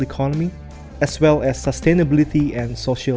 serta kesehatan dan perhubungan sosial